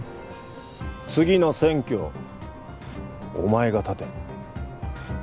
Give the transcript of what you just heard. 次の選挙お前が立て。